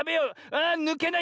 あぬけない。